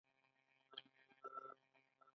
د کاناډا ځنګلونه اقتصادي ارزښت لري.